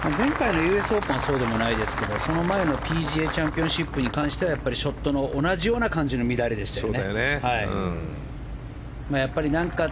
前回のＵＳＡオープンはそうではないですけどＰＧＡチャンピオンシップではやっぱりショットの同じような感じの乱れでしたよね。